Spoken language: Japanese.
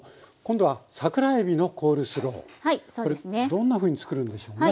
どんなふうに作るんでしょうね。